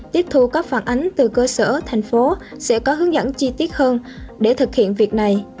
tiếp thu các phản ánh từ cơ sở thành phố sẽ có hướng dẫn chi tiết hơn để thực hiện việc này